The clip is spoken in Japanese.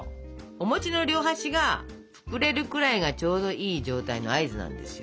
おの両端が膨れるくらいがちょうどいい状態の合図なんですよ。